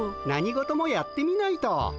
何事もやってみないと。